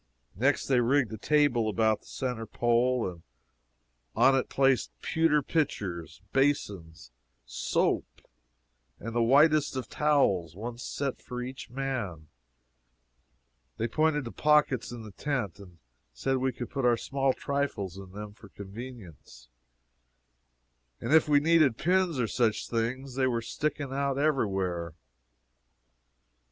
Next, they rigged a table about the centre pole, and on it placed pewter pitchers, basins, soap, and the whitest of towels one set for each man; they pointed to pockets in the tent, and said we could put our small trifles in them for convenience, and if we needed pins or such things, they were sticking every where.